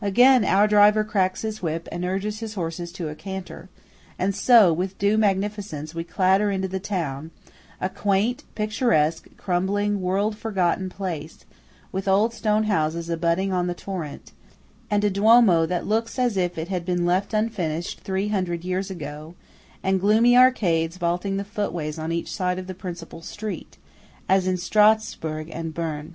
Again our driver cracks his whip and urges his horses to a canter; and so, with due magnificence, we clatter into the town–a quaint, picturesque, crumbling, world forgotten place, with old stone houses abutting on the torrent; and a Duomo that looks as if it had been left unfinished three hundred years ago; and gloomy arcades vaulting the footways on each side of the principal street, as in Strasburg and Berne.